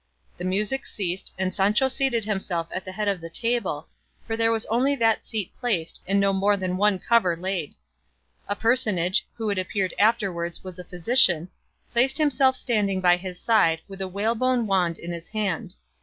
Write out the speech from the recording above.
The music ceased, and Sancho seated himself at the head of the table, for there was only that seat placed, and no more than one cover laid. A personage, who it appeared afterwards was a physician, placed himself standing by his side with a whalebone wand in his hand.